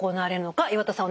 岩田さん